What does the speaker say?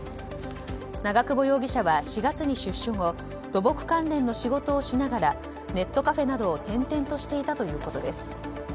長久保容疑者は４月に出所後土木関連の仕事をしながらネットカフェなどを転々としていたということです。